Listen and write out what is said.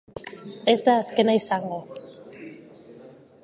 Ez da azkena izango.